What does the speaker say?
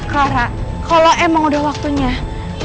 clara kalo emang udah waktu ini